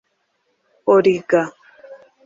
Origa